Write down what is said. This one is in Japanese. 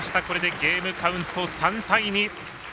これでゲームカウント３対２。